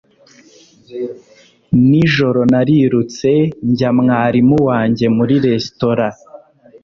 Nijoro narirutse njya mwarimu wanjye muri resitora.